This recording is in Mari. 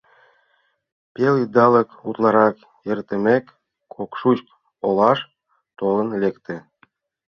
Пел идалык утларак эртымек, Кокшуйск олаш толын лекте.